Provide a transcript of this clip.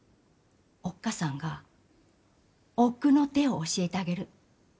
おっ母さんが奥の手を教えてあげる。